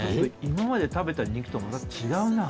今まで食べた肉とまた違うな。